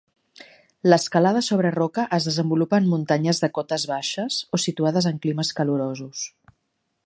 L'escalada sobre roca es desenvolupa en muntanyes de cotes baixes o situades en climes calorosos.